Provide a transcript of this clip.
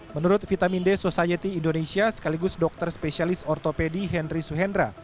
menurut vitamin d society indonesia sekaligus dokter spesialis ortopedi henry suhendra